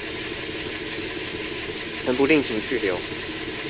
曾不吝情去留